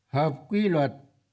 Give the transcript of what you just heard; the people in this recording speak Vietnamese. hợp quy luật